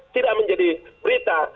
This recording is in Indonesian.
tidak menjadi berita